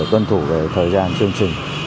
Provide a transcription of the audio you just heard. cân thủ thời gian chương trình